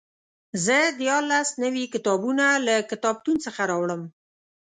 زه دیارلس نوي کتابونه له کتابتون څخه راوړم.